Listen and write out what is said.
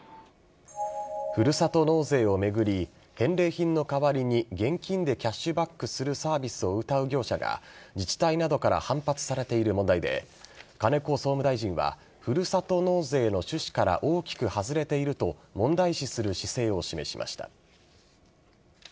ふるさと納税を巡り返礼品の代わりに現金でキャッシュバックするサービスをうたう業者が自治体などから反発されている問題で金子総務大臣はふるさと納税の趣旨から大きく外れていると問題視する姿勢を示しました。